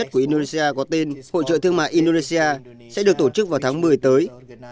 hội trợ thương mại của indonesia có tên hội trợ thương mại indonesia sẽ được tổ chức vào tháng một mươi tới